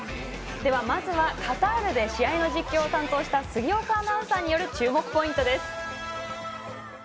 では、まずはカタールで試合の実況を担当した杉岡アナウンサーによる注目ポイントです。